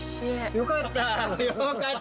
よかった。